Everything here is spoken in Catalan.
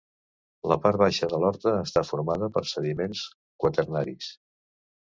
La part baixa de l'horta està formada per sediments quaternaris.